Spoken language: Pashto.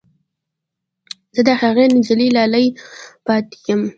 زه د هغې نجلۍ لالی پاتې یم